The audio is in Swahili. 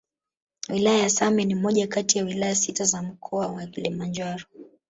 Wilaya ya Same ni moja kati ya Wilaya sita za mkoa wa Kilimanjaro